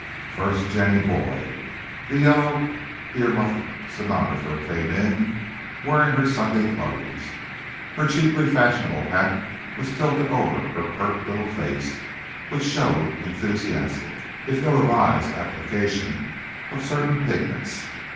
First, Jenny Boyd, the yellow ear muffed stenographer came in, wearing her Sunday clothes. Her cheaply fashionable hat was tilted over her pert little face, which showed enthusiastic, if ill advised application of certain pigments.